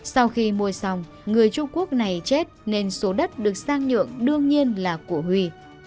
sau khi mua xong người trung quốc này chết nên số đất được sang nhượng đương nhiên là của huy